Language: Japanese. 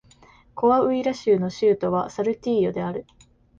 コアウイラ州の州都はサルティーヨである